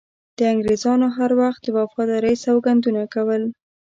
انګریزانو هر وخت د وفادارۍ سوګندونه کول.